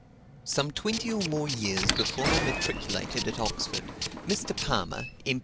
Some twenty or more years before I matriculated at Oxford, Mr. Palmer, M.